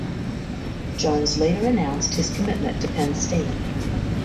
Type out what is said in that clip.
Jones later announced his commitment to Penn State.